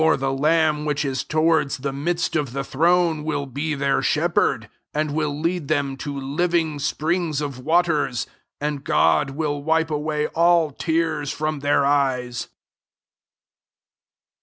the lamb which is towards the midst of the throne will be their shepherd, and will lead them to living springs of waters : and God will wipe away all tears from their eyes.''